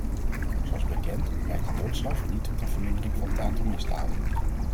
Zoals bekend leidt de doodstraf niet tot een vermindering van het aantal misdaden.